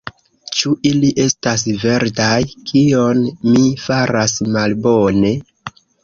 Ĉu ili estas verdaj? Kion mi faras malbone?